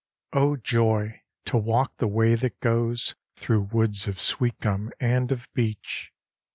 XXII Oh, joy, to walk the way that goes Through woods of sweet gum and of beech!